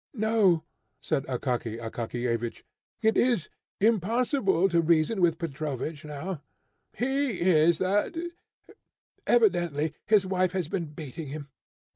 "No," said Akaky Akakiyevich, "it is impossible to reason with Petrovich now. He is that evidently, his wife has been beating him.